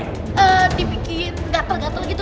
eee dibikin gatel gatel gitu